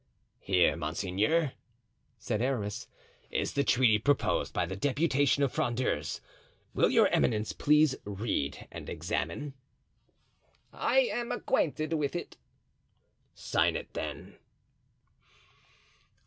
"Here, monseigneur," said Aramis, "is the treaty proposed by the deputation of Frondeurs. Will your eminence please read and examine?" "I am acquainted with it." "Sign it, then."